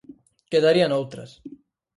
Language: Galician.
Quedarían outras.